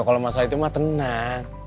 kalau masalah itu mah tenang